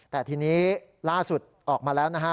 แต่ทีนี้ล่าสุดออกมาแล้วนะฮะ